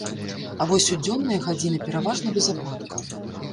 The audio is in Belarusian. А вось у дзённыя гадзіны пераважна без ападкаў.